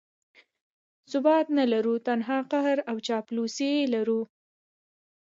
ثبات نه لرو، تنها قهر او چاپلوسي لرو.